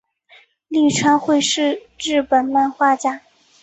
立川惠是日本漫画家。